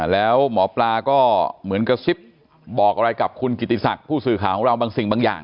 แล้วหมอปลาก็เหมือนกระซิบบอกอะไรกับคุณกิติศักดิ์ผู้สื่อข่าวของเราบางสิ่งบางอย่าง